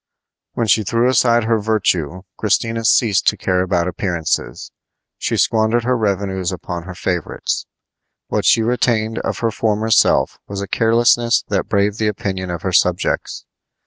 When she threw aside her virtue Christina ceased to care about appearances. She squandered her revenues upon her favorites. What she retained of her former self was a carelessness that braved the opinion of her subjects.